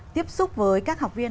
tiếp xúc với các học viên